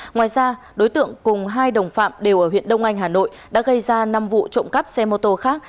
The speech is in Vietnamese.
ngoài ra đối tượng cùng hai đồng phạm đều ở huyện đông anh hà nội đã gây ra năm vụ trộm cắp xe mô tô khác